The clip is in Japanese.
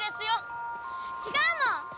違うもん！